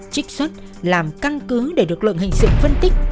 trích xuất làm căn cứ để lực lượng hình sự phân tích